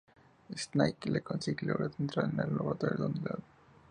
Snake la consigue y logra entrar en el laboratorio, donde la Dra.